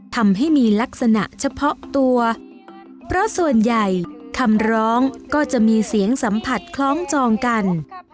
ทำให้มีลักษณะเฉพาะตัวเพราะส่วนใหญ่คำร้องก็จะมีเสียงสัมผัสคล้องจองกัน